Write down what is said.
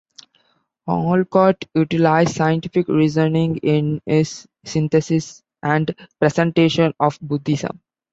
Olcott utilized scientific reasoning in his synthesis and presentation of Buddhism.